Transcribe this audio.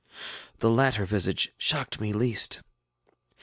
The latter visage shocked me least.